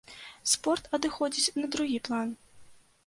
Спорт адыходзіць на другі план.